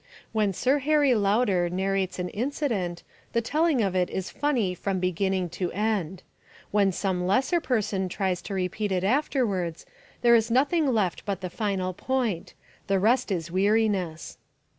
When Sir Harry Lauder narrates an incident, the telling of it is funny from beginning to end. When some lesser person tries to repeat it afterwards, there is nothing left but the final point. The rest is weariness.